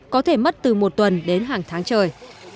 có thể mất từ một tuần đến hàng tháng trời